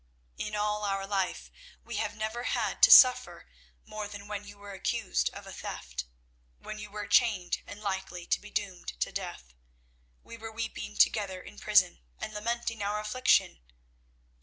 "In all our life, we have never had to suffer more than when you were accused of a theft, when you were chained and likely to be doomed to death. We were weeping together in prison and lamenting our affliction.